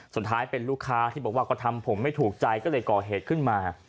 สุดท้ายเป็นลูกค้าที่บอกว่าก็ทำผมไม่ถูกใจก็เลยก่อเหตุขึ้นมา